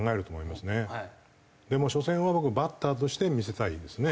でも初戦は僕バッターとして見せたいですね。